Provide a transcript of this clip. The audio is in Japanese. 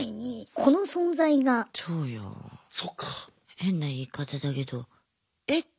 変な言い方だけどえっ？